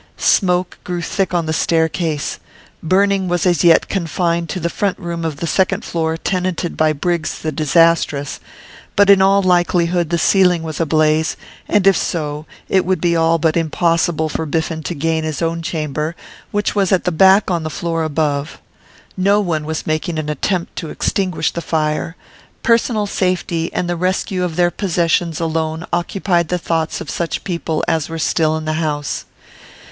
Smoke grew thick on the staircase. Burning was as yet confined to that front room on the second floor tenanted by Briggs the disastrous, but in all likelihood the ceiling was ablaze, and if so it would be all but impossible for Biffen to gain his own chamber, which was at the back on the floor above. No one was making an attempt to extinguish the fire; personal safety and the rescue of their possessions alone occupied the thoughts of such people as were still in the house.